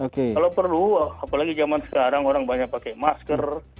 kalau perlu apalagi zaman sekarang orang banyak pakai masker